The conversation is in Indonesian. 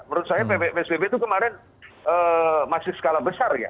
menurut saya psbb itu kemarin masih skala besar ya